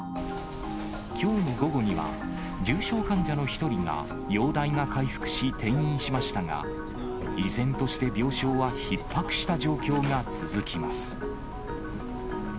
きょうの午後には重症患者の１人が容体が回復し転院しましたが、依然として病床はひっ迫した状況が続きます。